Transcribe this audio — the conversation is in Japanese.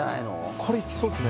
これいきそうっすね